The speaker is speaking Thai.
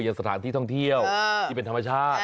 สถานที่ท่องเที่ยวที่เป็นธรรมชาติ